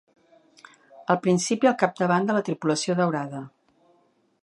Al principi al capdavant de la tripulació daurada.